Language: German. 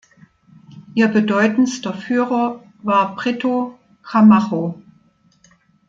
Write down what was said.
Ihr bedeutendster Führer war Brito Camacho.